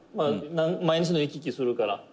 「毎日のように行き来するから」